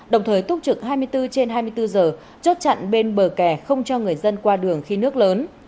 đồng thời túc trực hai mươi bốn trên hai mươi bốn giờ chốt chặn bên bờ kè không cho người dân qua đường khi nước lớn